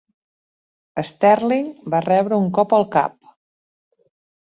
Sterling va rebre un cop al cap.